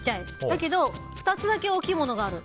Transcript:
だけど２つだけ大きいものがある。